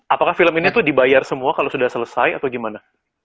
apakah film ini tuh dibayar semua kalau sudah selesai atau gimana